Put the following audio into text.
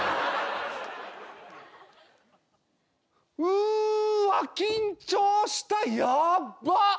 うわ緊張したヤバッ！